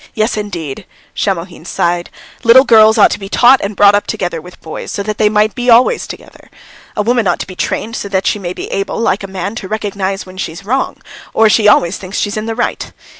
Yes, indeed" Shamohiri sighed "little girls ought to be taught and brought up with boys, so that they might be always together. A woman ought to be trained so that she may be able, like a man, to recognise when she's wrong, or she always thinks she's in the right.